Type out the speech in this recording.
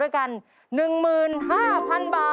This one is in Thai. ยับ